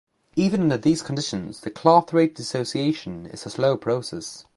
Even under these conditions, the clathrate dissociation is a slow process.